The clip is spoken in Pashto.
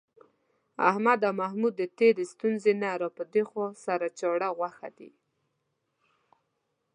احمد او محمود د تېرې ستونزې نه را پدېخوا، سره چاړه غوښه دي.